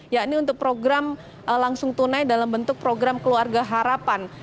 ya ini untuk program langsung tunai dalam bentuk program keluarga harapan